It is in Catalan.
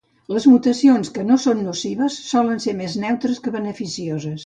Les mutacions que no són nocives solen ser més neutres que beneficioses.